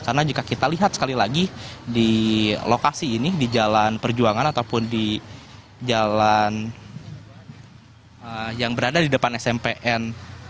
karena jika kita lihat sekali lagi di lokasi ini di jalan perjuangan ataupun di jalan yang berada di depan smpn sebelas